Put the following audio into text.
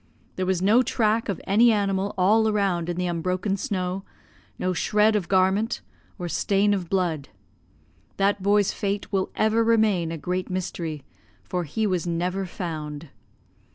There was no track of any animal all around in the unbroken snow, no shred of garment or stain of blood, that boy's fate will ever remain a great mystery, for he was never found."